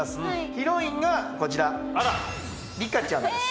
ヒロインがこちら「リカちゃん」です。